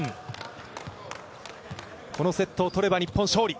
このセットを取れば日本、勝利。